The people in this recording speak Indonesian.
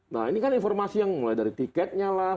nah ini kan informasi yang mulai dari tiketnya lah